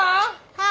はい。